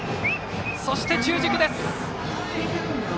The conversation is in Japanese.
そして、中軸です。